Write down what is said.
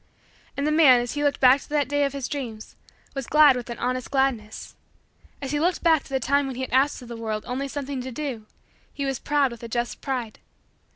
And the man, as he looked back to that day of his dreams, was glad with an honest gladness. As he looked back to the time when he had asked of the world only something to do, he was proud with a just pride.